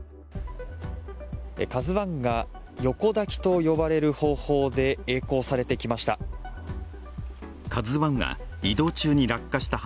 「ＫＡＺＵⅠ」が横抱きと呼ばれる方法でえい航されてきました。